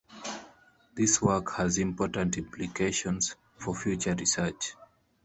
This work has important implications for future research.